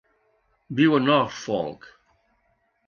Viu a Norfolk.